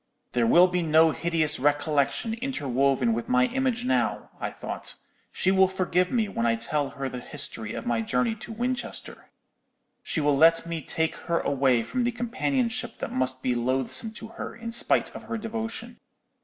"'There will be no hideous recollection interwoven with my image now,' I thought; 'she will forgive me when I tell her the history of my journey to Winchester. She will let me take her away from the companionship that must be loathsome to her, in spite of her devotion.